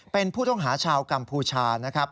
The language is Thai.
เป็นผู้ต้องหาชาวกัมพูชานะครับ